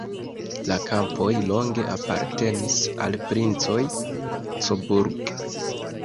La kampoj longe apartenis al princoj Coburg.